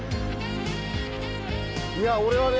いや俺はね